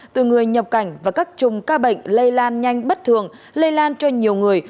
từ người nhập cảnh và các chùm ca bệnh lây lan nhanh bất thường lây lan cho nhiều người